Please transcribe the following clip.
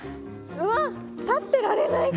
うわっ立ってられないぐらい！